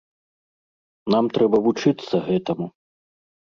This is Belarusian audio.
Нам трэба вучыцца гэтаму.